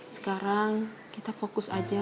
sekarang kita fokus aja